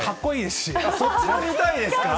そっちの見たいですか。